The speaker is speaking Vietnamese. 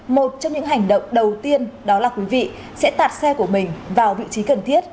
một trong những hành động đầu tiên đó là quý vị sẽ tạt xe của mình vào vị trí cần thiết